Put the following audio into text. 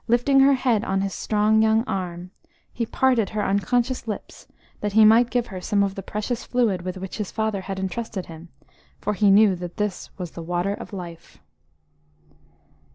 Lifting her head on his strong young arm, he parted her unconscious lips that he might give her some of the precious fluid with which his father had entrusted him, for he knew that this was the Water of Life.